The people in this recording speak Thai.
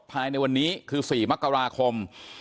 ภายในวันนี้คือ๔มกราคม